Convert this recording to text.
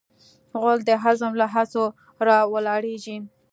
غول د هضم له هڅو راولاړیږي.